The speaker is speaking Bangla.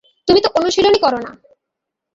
তুমি তো অনুশীলনই কর না।